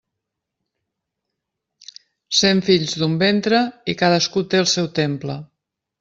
Cent fills d'un ventre, i cadascú té el seu temple.